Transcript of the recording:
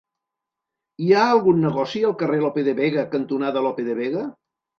Hi ha algun negoci al carrer Lope de Vega cantonada Lope de Vega?